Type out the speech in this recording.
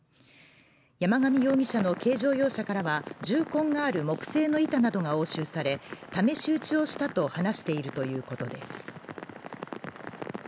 山上容疑者の軽乗用車からは銃痕がある木製の板などが押収され木製の板などが押収され試し撃ちしたなどと話しているということです。